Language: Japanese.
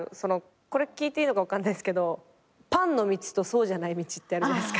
これ聞いていいのか分かんないですけど「パン」の道とそうじゃない道ってあるじゃないですか。